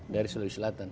dari seluruh selatan